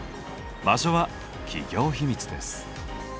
場所は企業秘密です。